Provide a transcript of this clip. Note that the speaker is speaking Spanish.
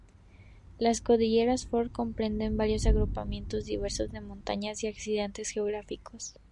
Las cordilleras Ford comprenden varios agrupamientos diversos de montañas y accidentes geográficos.